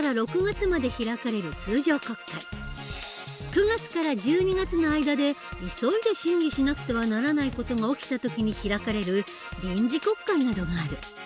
９月から１２月の間で急いで審議しなくてはならない事が起きた時に開かれる臨時国会などがある。